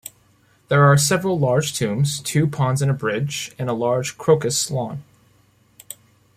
There are several large tombs, two ponds and bridge, and a large crocus lawn.